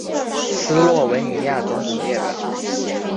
斯洛文尼亚总统列表